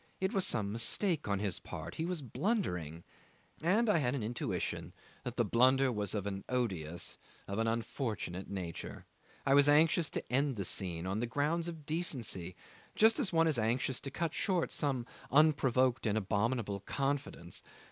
It was some mistake on his part; he was blundering, and I had an intuition that the blunder was of an odious, of an unfortunate nature. I was anxious to end this scene on grounds of decency, just as one is anxious to cut short some unprovoked and abominable confidence.